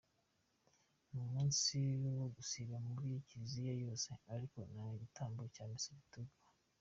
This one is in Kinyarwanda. Ni umunsi wo gusiba muri Kiliziya yose ariko nta gitambo cya Misa giturwa.